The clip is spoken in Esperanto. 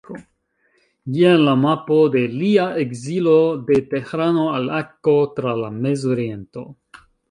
Jen la mapo de Lia ekzilo de Tehrano al Akko tra la Mez-Oriento.